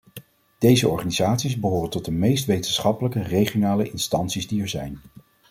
Deze organisaties behoren tot de meest wetenschappelijke regionale instanties die er zijn.